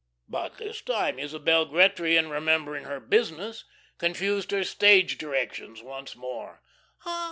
_" But this time Isabel Gretry, in remembering her "business," confused her stage directions once more.